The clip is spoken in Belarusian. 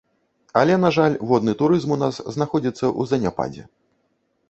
Але, на жаль, водны турызм у нас знаходзіцца ў заняпадзе.